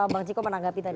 bang ciko menanggapi tadi